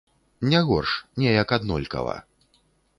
Не горш, неяк аднолькава.